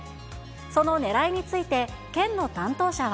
そのねらいについて、県の担当者は。